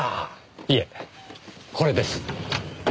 いえこれです。